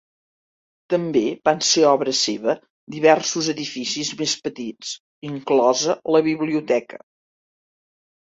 També van ser obra seva diversos edificis més petits, inclosa la biblioteca.